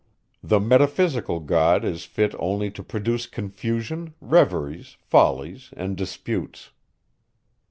The metaphysical God is fit only to produce confusion, reveries, follies, and disputes.